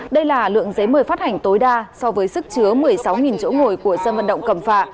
đây là lượng giấy mời phát hành tối đa so với sức chứa một mươi sáu chỗ ngồi của sân vận động cầm phạ